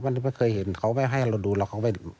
ไม่เคยเห็นเขาไม่ให้เราดูหรอก